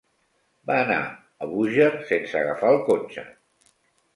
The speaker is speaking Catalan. Va anar a Búger sense agafar el cotxe.